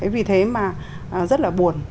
vì thế mà rất là buồn